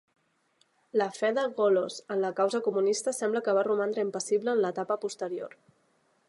La fe de Golos en la causa comunista sembla que va romandre impassible en l'etapa posterior.